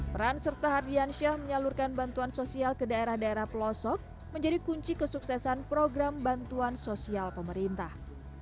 peran serta hardiansyah menyalurkan bantuan sosial ke daerah daerah pelosok menjadi kunci kesuksesan program bantuan sosial pemerintah